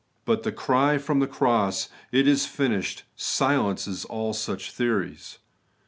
But the cry from the cross, ' It is finished,' silences all such theories.